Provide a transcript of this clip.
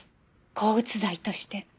抗うつ剤として。